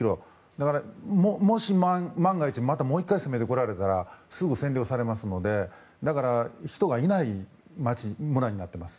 だから、もし万が一また攻めてこられたらすぐ占領されますので人がいない街、村になっています。